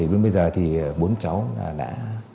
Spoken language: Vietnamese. bây giờ thì bốn cháu đã